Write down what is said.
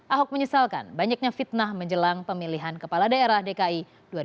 ahok menyesalkan banyaknya fitnah menjelang pemilihan kepala daerah dki dua ribu tujuh belas